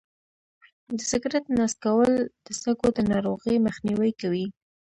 د سګرټ نه څکول د سږو د ناروغۍ مخنیوی کوي.